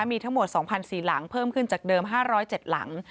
มีทั้งหมด๒๔หลังเพิ่มขึ้นจากเดิม๕๐๗หลัง